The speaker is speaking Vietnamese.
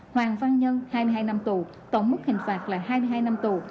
hoàng văn nhân hai mươi hai năm tù tổng mức hình phạt là hai mươi hai năm tù